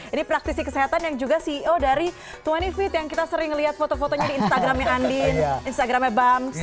ini praktisi kesehatan yang juga ceo dari dua puluh feet yang kita sering lihat foto fotonya di instagramnya andin instagramnya bam